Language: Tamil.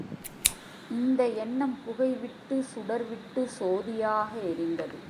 இந்த எண்ணம் புகைவிட்டு, சுடர்விட்டு, சோதியாக எரிந்தது.